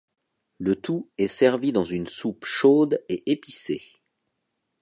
Le tout est servi dans une soupe chaude et épicée.